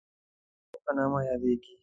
چې د اشرف غني په نامه يادېږي.